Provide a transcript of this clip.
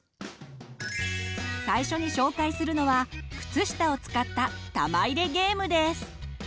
最初に紹介するのは靴下を使った玉入れゲームです。